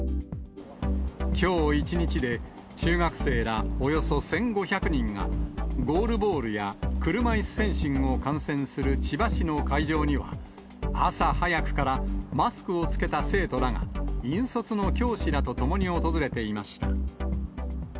きょう一日で、中学生らおよそ１５００人が、ゴールボールや車いすフェンシングを観戦する千葉市の会場には、朝早くから、マスクを着けた生徒らが、引率の教師らと共に訪れていました。